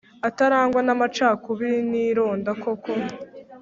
Atarangwa n amacakubiri n ironda koko